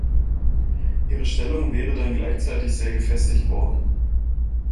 Ihre Stellung wäre dann gleichzeitig sehr gefestigt worden.